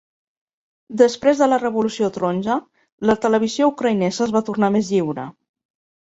Després de la Revolució Taronja, la televisió ucraïnesa es va tornar més lliure.